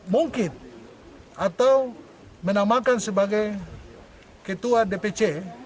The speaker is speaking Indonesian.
mungkin atau menamakan sebagai ketua dpc